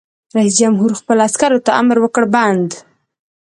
رئیس جمهور خپلو عسکرو ته امر وکړ؛ بند!